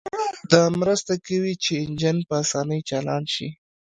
دا مرسته کوي چې انجن په اسانۍ چالان شي